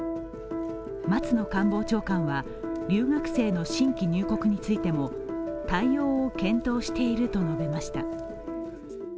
松野官房長官は留学生の新規入国についても対応を検討していると述べました。